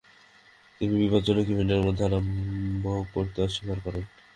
তিনি বিপজ্জনক ইভেন্টের মধ্যে আরম্ভ করতে অস্বীকার করেন।